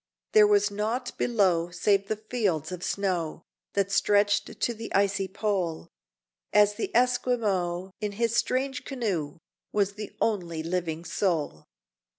There was nought below, save the fields of snow, That stretched to the icy pole; And the Esquimaux, in his strange canoe, Was the only living soul!